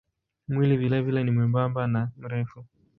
Mwili vilevile ni mwembamba na mrefu.